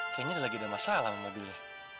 kayaknya lagi ada masalah sama mobilnya